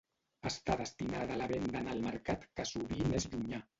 Està destinada a la venda en el mercat que sovint és llunyà.